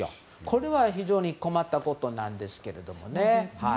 これは、非常に困ったことなんですけどね。